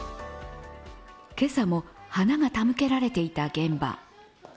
今朝も花が手向けられていた現場。